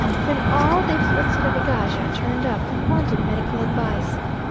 Then all the afflicted of Egaja turned up, and wanted medical advice.